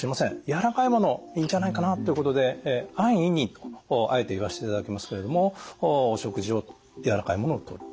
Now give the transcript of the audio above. やわらかいものいいんじゃないかなっていうことで安易にとあえて言わせていただきますけれども食事をやわらかいものを取る。